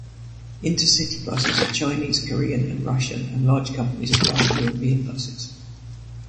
Intercity buses are Chinese, Korean and Russian, and large companies are buying European buses.